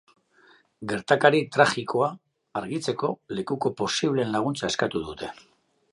Gertakari tragikoa argitzeko, lekuko posibleen laguntza eskatu dute.